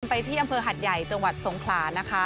ไปที่อำเภอหัดใหญ่จังหวัดสงขลานะคะ